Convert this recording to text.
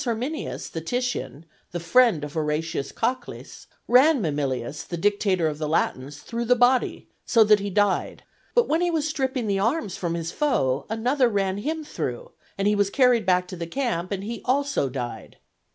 Herminius the Titian, the friend of Horatius Cocles, ran Mamilius, the dictator of the Latins, through the body, so that he died; but when he was stripping the arms from his foe, another ran him through, and he was carried back to the camp, and he also died.